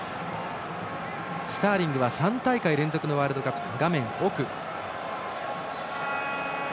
スターリングは３大会連続のワールドカップ。